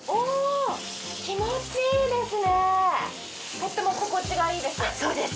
とっても心地がいいです。